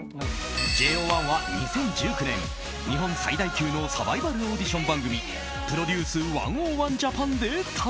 ＪＯ１は２０１９年日本最大級のサバイバルオーディション番組「ＰＲＯＤＵＣＥ１Ｏ１ＪＡＰＡＮ」で誕生。